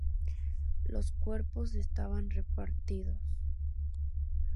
Los cuerpos estaban repartidos".